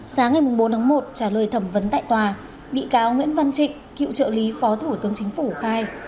sáng ngày bốn tháng một trả lời thẩm vấn tại tòa bị cáo nguyễn văn trịnh cựu trợ lý phó thủ tướng chính phủ khai